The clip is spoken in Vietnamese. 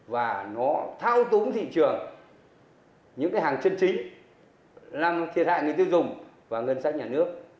và nó thao túng thị trường những cái hàng chân chính làm thiệt hại người tiêu dùng và ngân sách nhà nước